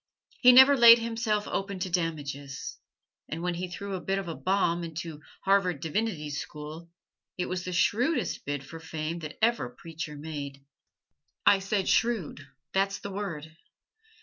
He never laid himself open to damages. And when he threw a bit of a bomb into Harvard Divinity School it was the shrewdest bid for fame that ever preacher made. I said "shrewd" that's the word.